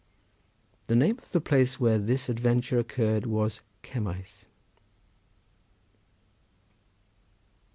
The name of the place where this adventure occurred was Cemmaes.